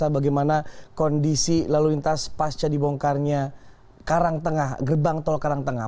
bagaimana kondisi lalu lintas pasca dibongkarnya gerbang tol karangtengah